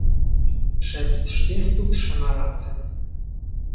"„Przed trzydziestu trzema laty."